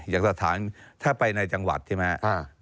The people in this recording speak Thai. อย่างสถานถ้าไปในจังหวัดใช่ไหม